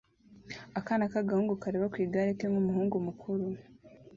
Akana k'agahungu kareba ku kagare ke nkumuhungu mukuru